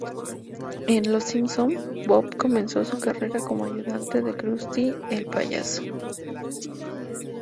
En "Los Simpson", Bob comenzó su carrera como ayudante de Krusty el payaso.